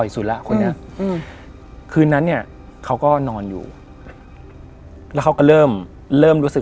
ถูกไหม